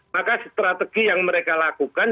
maka strategi yang mereka lakukan